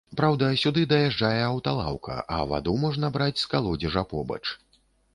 Праўда, сюды даязджае аўталаўка, а ваду можна браць з калодзежа побач.